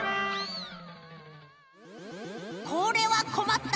これはこまった。